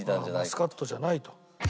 マスカットじゃないと。